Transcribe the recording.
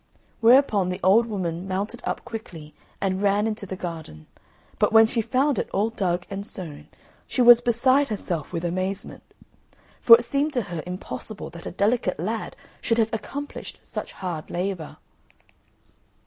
Whereupon the old woman mounted up quickly, and ran into the garden; but when she found it all dug and sown, she was beside herself with amazement; for it seemed to her impossible that a delicate lad should have accomplished such hard labour.